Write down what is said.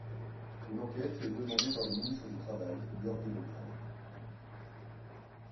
Une enquête est demandée par le ministre du Travail, Jorge Bográn.